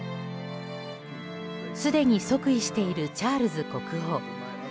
すでに即位しているチャールズ国王。